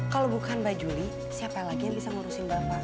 kalau bukan mbak juli siapa lagi yang bisa ngurusin bapak